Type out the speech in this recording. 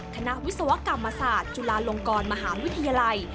คณะวิศวกรรมศาสตร์จุฬาลงกรมหาวิทยาลัย